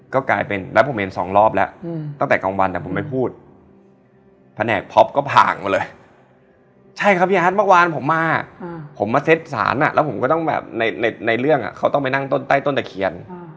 ตามด้านยังต้องไปแต่ส่วนในสักพักเลย